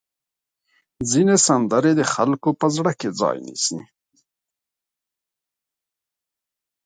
ځینې سندرې د خلکو په زړه کې ځای نیسي.